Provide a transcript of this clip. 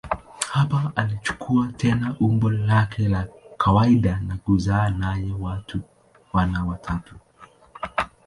Hapa alichukua tena umbo lake la kawaida na kuzaa naye wana watatu.